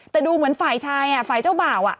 แต่ดูเหมือนฝ่ายชายฝ่ายเจ้าบ่าว